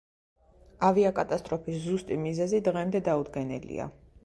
ავიაკატასტროფის ზუსტი მიზეზი დღემდე დაუდგენელია.